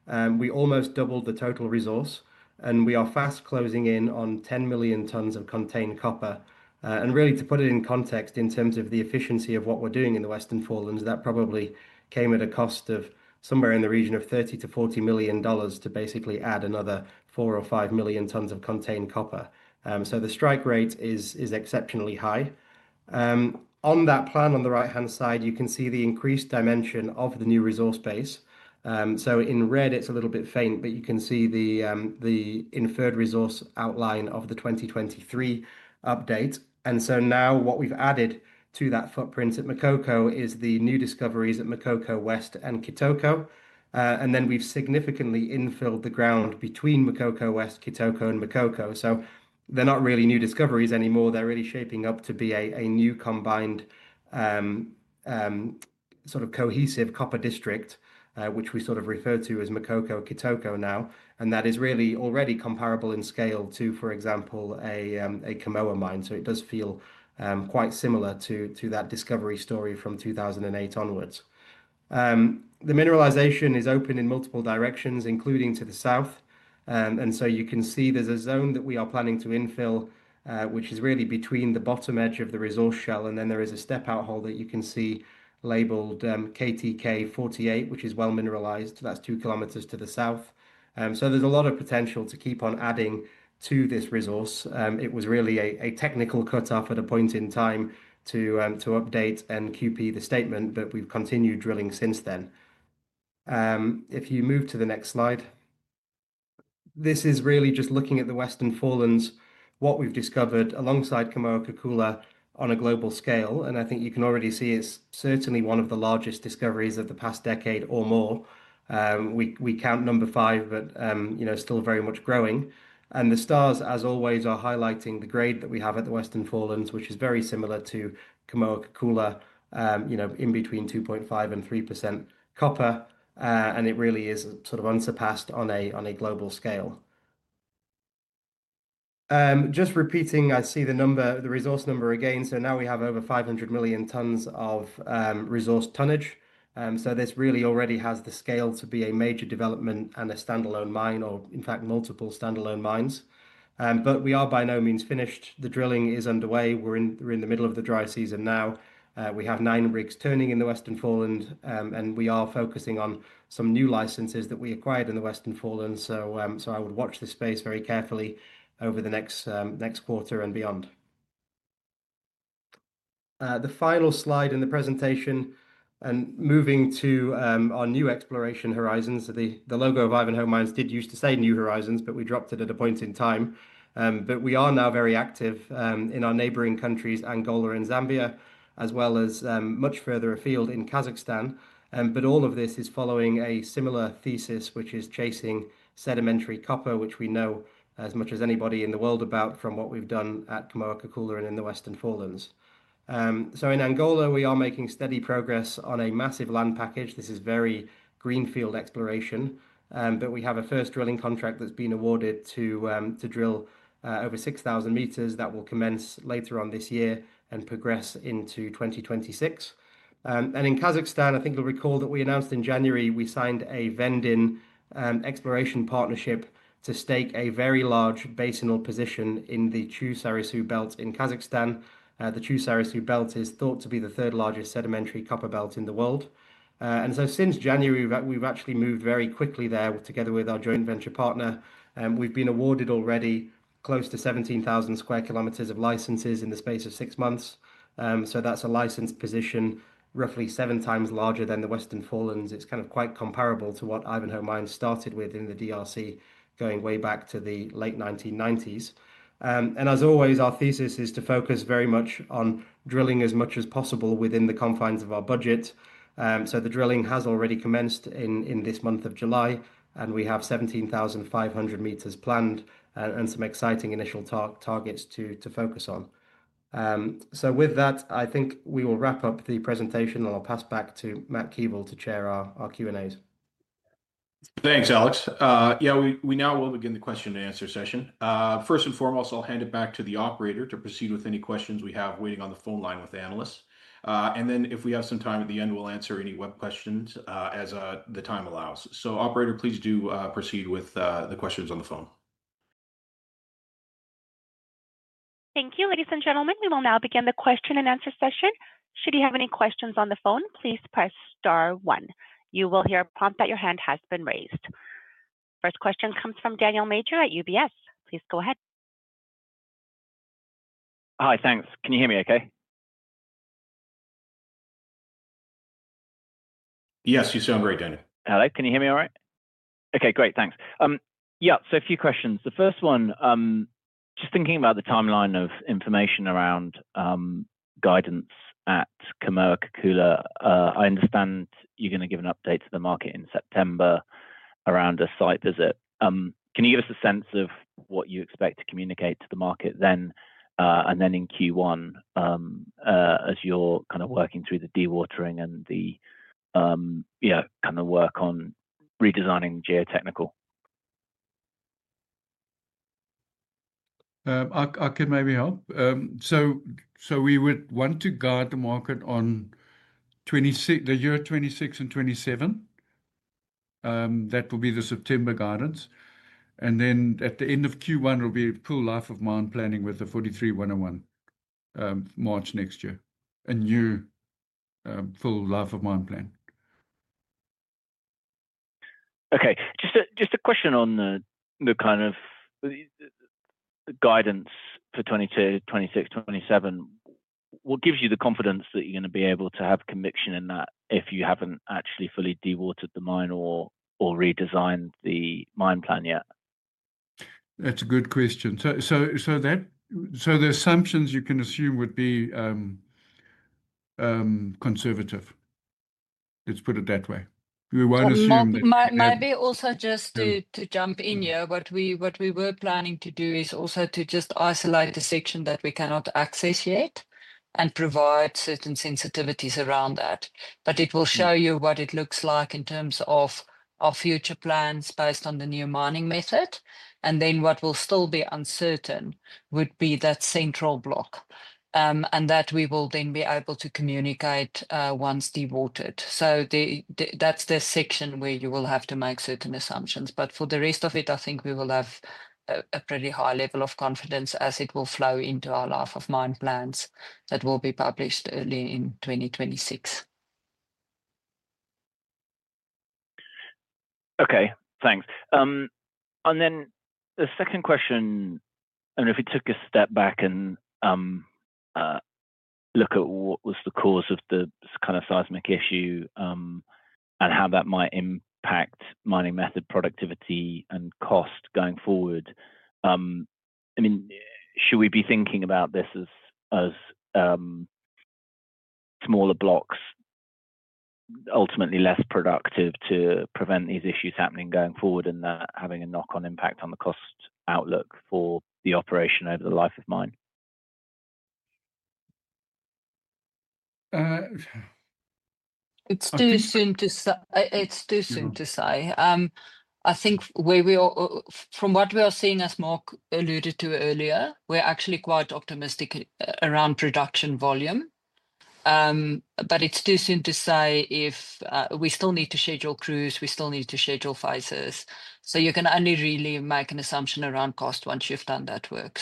F: we’ve almost doubled the total resource and are fast closing in on 10 million tons of contained copper. To put it in context, in terms of the efficiency of what we’re doing in the Western Forelands, that increase likely came at a cost of around $30 million to $40 million to add another 4–5 million tons of contained copper. The strike rate is exceptionally high. On the plan shown on the right-hand side, you can see the expanded dimensions of the new resource base. In red—it’s a little faint—you can see the inferred resource outline from the 2023 update. What we’ve now added to that footprint at Makoko are the new discoveries at Makoko West and Kitoko. We’ve significantly infilled the ground between Makoko West, Kitoko, and Makoko, and they’re no longer really separate discoveries—they’re forming a single, cohesive copper district that we now refer to as Makoko-Kitoko. That is already comparable in scale to, for example, a Kamoa mine. It feels quite similar to that discovery story from 2008 onward. The mineralization is open in multiple directions, including to the south. You can see there’s a zone we’re planning to infill between the bottom edge of the resource shell, and there’s a step-out hole labeled KTK-48, which is well mineralized and located about two kilometers to the south. There’s significant potential to keep adding to this resource. The recent update was really a technical cut-off at a point in time to update and QP the statement, but drilling has continued since then. Moving to the next slide, this looks at the Western Forelands and what we’ve discovered alongside Kamoa-Kakula on a global scale. I think you can already see that it’s certainly one of the largest discoveries of the past decade or more. We currently rank it as number five globally, but it’s still very much growing. The stars, as always, highlight the exceptional grade at the Western Forelands—between 2.5% and 3% copper—which is very similar to Kamoa-Kakula and truly unmatched on a global scale. To repeat the resource numbers, we now have over 500 million tons of resource tonnage. This already has the scale to become a major development and a standalone mine—or even multiple standalone mines. We are far from finished. Drilling is ongoing; we’re in the middle of the dry season now with nine rigs operating across the Western Forelands, focusing particularly on some of the new licenses we recently acquired in the region. I would watch this space very carefully over the next quarter and beyond. The final slide in the presentation, and moving to our new exploration horizons. The logo of Ivanhoe Mines did used to say New Horizons, but we dropped it at a point in time. We are now very active in our neighboring countries, Angola and Zambia, as well as much further afield in Kazakhstan. All of this is following a similar thesis, which is chasing sedimentary copper, which we know as much as anybody in the world about from what we've done at Kamoa-Kakula and in the Western Forelands. In Angola, we are making steady progress on a massive land package. This is very greenfield exploration. We have a first drilling contract that's been awarded to drill over 6,000 meters that will commence later on this year and progress into 2026. In Kazakhstan, you’ll recall that we announced in January that we signed a joint venture exploration partnership to stake a very large basinal position in the Chu-Sarysu Belt in Kazakhstan. The Chu-Sarysu Belt is thought to be the third-largest sedimentary copper belt in the world. Since January, we’ve moved very quickly there with our joint venture partner and have already been awarded close to 17,000 square kilometers of licenses in just six months. That’s a licensed position roughly seven times larger than the Western Forelands and quite comparable to what Ivanhoe Mines started with in the DRC back in the late 1990s.
B: Thanks, Alex. We will now begin the question-and-answer session. First and foremost, I’ll hand it back to the operator to proceed with any questions we have waiting on the phone line from analysts. If we have some time at the end, we’ll address any web questions as time allows. Operator, please proceed with the questions on the phone.
A: Thank you, ladies and gentlemen. We will now begin the question-and-answer session. Should you have any questions on the phone, please press *1. You will hear a prompt that your hand has been raised. Your first question comes from Daniel Major [Analyst] (UBS). Please go ahead.
I: Hi, thanks. Can you hear me okay?
G: Yes, you sound great, Daniel.
I: Alex, can you hear me all right? Okay, great. Thanks. A few questions. The first one — thinking about the timeline of information around guidance at Kamoa-Kakula. I understand you’re planning to give an update to the market in September around a site visit. Can you give us a sense of what you expect to communicate to the market then, and then in Q1 as you work through the dewatering and redesigning of the geotechnical aspects?
G: I can maybe help. We’ll want to guide the market for the years 2026 and 2027 — that will be the September guidance. At the end of Q1, we’ll release a full life-of-mine plan with the NI 43-101 update. So, March next year, a new full life-of-mine plan.
I: Okay.Just a question on the guidance for 2022, 2026, 2027. What gives you the confidence that you're going to be able to have conviction in that if you haven't actually fully dewatered the mine or redesigned the mine plan yet?
G: That's a good question. The assumptions you can assume would be conservative. Let's put it that way. We won't assume.
D: Maybe also just to jump in here, what we were planning to do is also to just isolate the section that we cannot access yet and provide certain sensitivities around that. It will show you what it looks like in terms of our future plans based on the new mining method. What will still be uncertain would be that central block, and that we will then be able to communicate once dewatered. That's the section where you will have to make certain assumptions. For the rest of it, I think we will have a pretty high level of confidence as it will flow into our life-of-mine plans that will be published early in 2026.
I: Okay, thanks. The second question, if we took a step back and look at what was the cause of the kind of seismic issue and how that might impact mining method productivity and cost going forward, should we be thinking about this as smaller blocks, ultimately less productive to prevent these issues happening going forward and having a knock-on impact on the cost outlook for the operation over the life of mine?
D: It’s too soon to say. I think from what we are seeing, as Mark alluded to earlier, we’re actually quite optimistic around production volume, but it’s too soon to say if we still need to schedule crews, we still need to schedule phases. You can only really make an assumption around cost once you’ve done that work,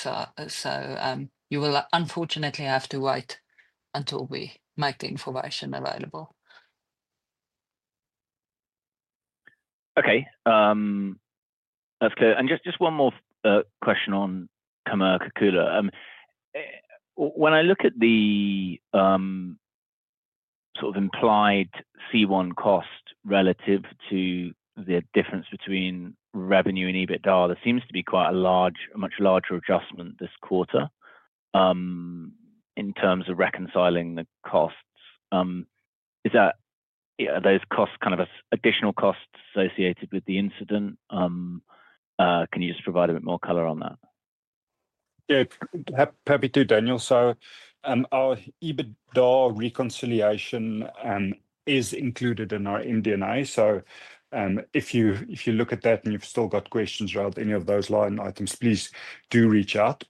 D: so you will unfortunately have to wait until we make the information available.
I: Okay, that’s good. Just one more question on Kamoa-Kakula. When I look at the implied C1 cost relative to the difference between revenue and EBITDA, there seems to be a much larger adjustment this quarter in terms of reconciling the costs. Are those costs additional expenses associated with the incident? Can you provide a bit more color on that?
G: Yeah, happy to, Daniel. Our EBITDA reconciliation is included in our MD&A. If you review that and still have questions about any of those line items, please do reach out.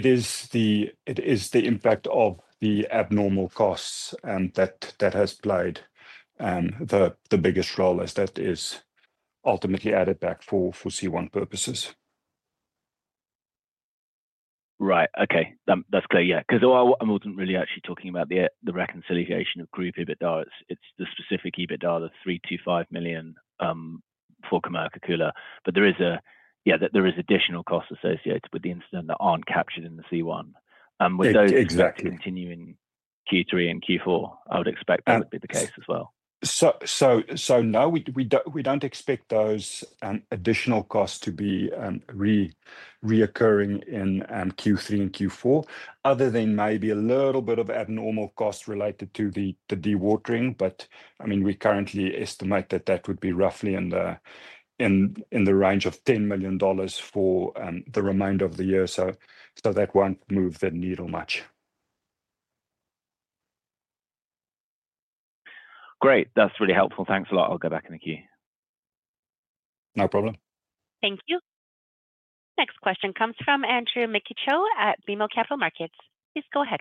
G: The impact of abnormal costs played the biggest role, as those are ultimately added back for C1 purposes.
I: Right, okay, that’s clear. Yeah, because I wasn’t actually talking about the reconciliation of group EBITDA — it’s the specific EBITDA, the $3 million to $5 million for Kamoa-Kakula. There are additional costs associated with the incident that aren’t captured in the C1. Would those continue in Q3 and Q4? I would expect that would be the case as well.
G: No, we don’t expect those additional costs to recur in Q3 and Q4, other than maybe a small amount of abnormal costs related to the dewatering. We currently estimate that to be roughly in the range of $10 million for the remainder of the year, so it won’t move the needle much.
I: Great, that's really helpful. Thanks a lot. I'll go back in a queue.
G: No problem.
A: Thank you. Next question comes from Andrew Mikitchook at BMO Capital Markets. Please go ahead.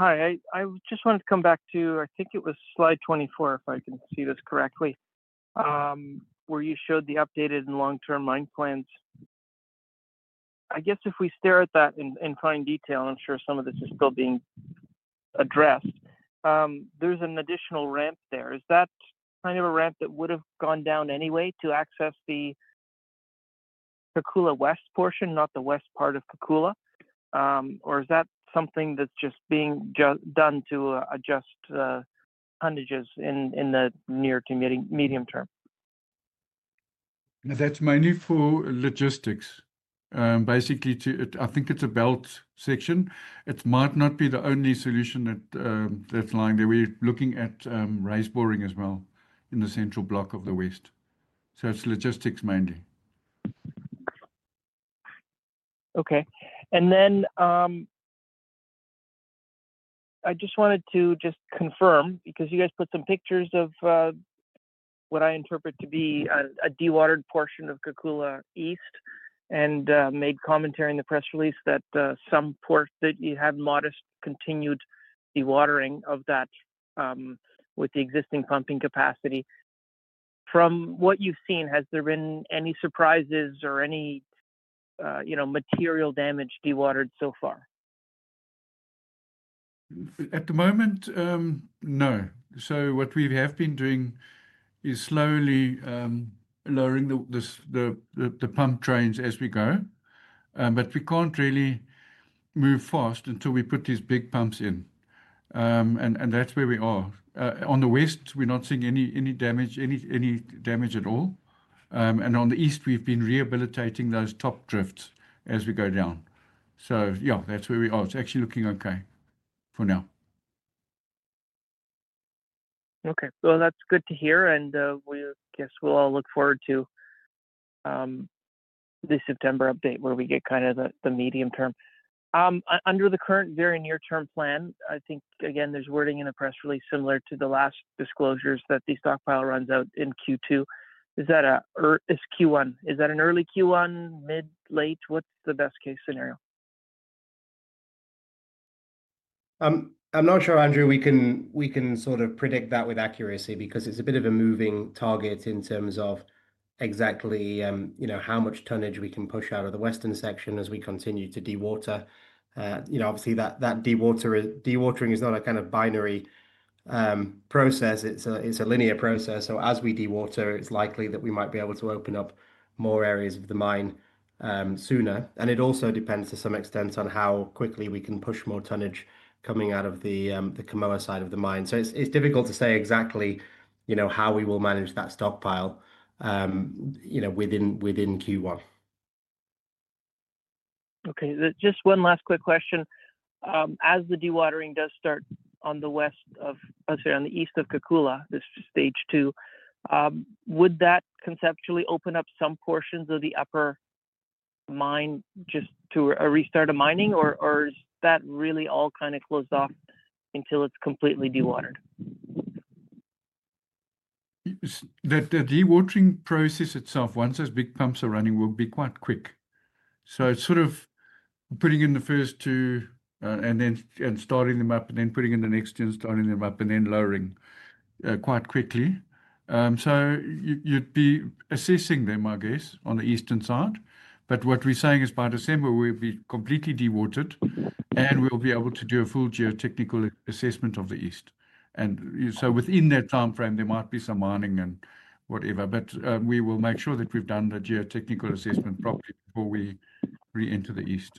J: Hi. I just wanted to come back to — I think it was slide 24, if I can see this correctly — where you showed the updated and long-term mine plans. I guess if we look at that in detail, and I’m sure some of this is still being refined, there’s an additional ramp there. Is that a ramp that would have gone down anyway to access the Kakula West portion — not the west part of Kakula — or is that something being done to adjust tonnages in the near to medium term?
G: That's mainly for logistics. Basically, I think it's a belt section. It might not be the only solution that's lying there. We're looking at raised boring as well in the central block of the west. It's logistics mainly.
J: Okay. I just wanted to confirm because you guys put some pictures of what I interpret to be a dewatered portion of Kakula East and made commentary in the press release that you had modest continued dewatering of that with the existing pumping capacity. From what you've seen, has there been any surprises or any material damage dewatered so far?
G: At the moment, no. What we have been doing is slowly lowering the pump trains as we go, but we can’t really move fast until we put these big pumps in. That’s where we are. On the west, we’re not seeing any damage at all. On the east, we’ve been rehabilitating those top drifts as we go down. That’s where we are. It’s actually looking okay for now.
J: Okay. That’s good to hear. I guess we’ll all look forward to the September update where we get kind of the medium term. Under the current very near-term plan, I think, again, there’s wording in a press release similar to the last disclosures that the stockpile runs out in Q2. Is that a Q1? Is that an early Q1, mid, late? What’s the best-case scenario?
F: I’m not sure, Andrew, we can sort of predict that with accuracy because it’s a bit of a moving target in terms of exactly how much tonnage we can push out of the western section as we continue to dewater. Obviously, that dewatering is not a kind of binary process. It’s a linear process. As we dewater, it’s likely that we might be able to open up more areas of the mine sooner. It also depends to some extent on how quickly we can push more tonnage coming out of the Kamoa side of the mine. It’s difficult to say exactly how we will manage that stockpile within Q1.
J: Just one last quick question. As the dewatering does start on the west of — I’d say on the east of Kakula, this stage two — would that conceptually open up some portions of the upper mine just to restart mining, or is that really all kind of closed off until it’s completely dewatered?
G: The dewatering process itself, once those big pumps are running, will be quite quick. Sort of putting in the first two and then starting them up, and then putting in the next two and starting them up, and then lowering quite quickly. You’d be assessing them, I guess, on the eastern side. What we’re saying is by December, we’ll be completely dewatered, and we’ll be able to do a full geotechnical assessment of the east. Within that timeframe, there might be some mining and whatever.
E: We will make sure that we've done the geotechnical assessment properly before we re-enter the east.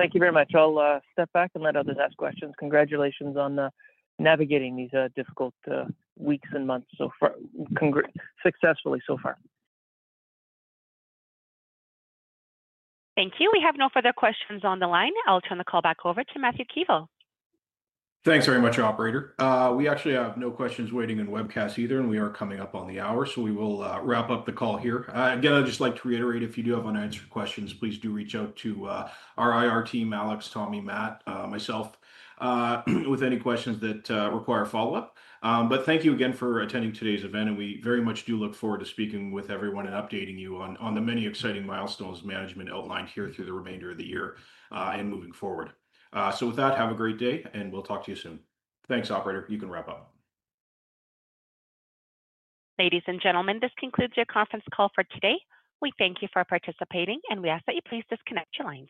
J: Thank you very much. I'll step back and let others ask questions. Congratulations on navigating these difficult weeks and months successfully so far.
A: Thank you. We have no further questions on the line. I'll turn the call back over to Matthew Keevil.
B: Thanks very much, operator. We actually have no questions waiting in webcast either, and we are coming up on the hour, so we will wrap up the call here. I'd just like to reiterate, if you do have unanswered questions, please do reach out to our IR team, Alex, Tommy, Matt, myself, with any questions that require follow-up. Thank you again for attending today's event, and we very much do look forward to speaking with everyone and updating you on the many exciting milestones management outlined here through the remainder of the year and moving forward. With that, have a great day, and we'll talk to you soon. Thanks, operator. You can wrap up.
A: Ladies and gentlemen, this concludes your conference call for today. We thank you for participating, and we ask that you please disconnect your lines.